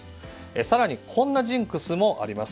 更に、こんなジンクスもあります。